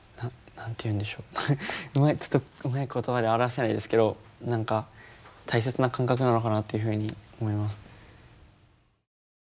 ちょっとうまい言葉で表せないですけど何か大切な感覚なのかなっていうふうに思います。